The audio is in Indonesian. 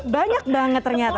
banyak banget ternyata